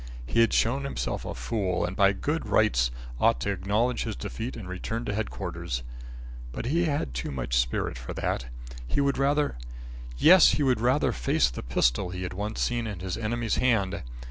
He had shown himself a fool and by good rights ought to acknowledge his defeat and return to Headquarters. But he had too much spirit for that. He would rather yes, he would rather face the pistol he had once seen in his enemy's hand.